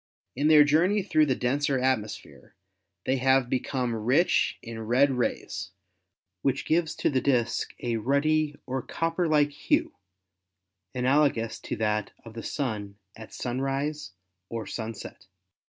In their journey through the denser atmosphere they have become rich in red rays, which gives to the disk a ruddy or copper like hue analogous to that of the Sun at sunrise or sunset.